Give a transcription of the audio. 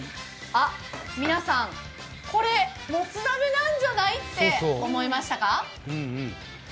皆さん、これ、もつ鍋なんじゃない？って思いましたか？